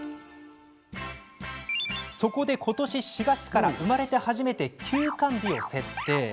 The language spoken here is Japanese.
そこで今年４月から生まれて初めて休肝日を設定。